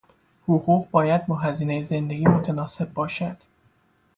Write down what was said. حقوق باید با هزینهی زندگی متناسب باشد.